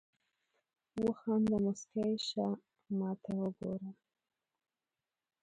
وخانده مسکی شه ماته وګوره